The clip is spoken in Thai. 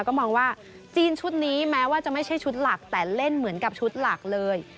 ก็มองว่าจีนชุดนี้แม้ว่าจะไม่ใช่ชุดหลักแต่เล่นเหมือนกับชุดหลักเลย